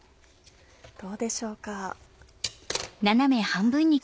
どうでしょうか。